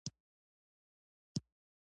له وزیرانو او بې وزلو وګړو پورې لیدلي.